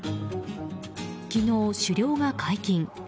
昨日、狩猟が解禁。